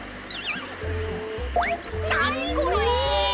なにこれ！？